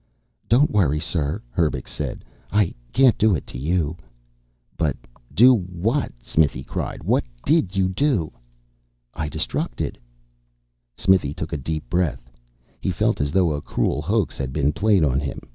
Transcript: "Don't worry, sir," Herbux said. "I can't do it to you." "But do what?" Smithy cried. "What did you do?" "I destructed." Smithy took a deep breath. He felt as though a cruel hoax had been played on him.